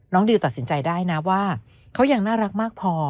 ดิวตัดสินใจได้นะว่าเขายังน่ารักมากพอ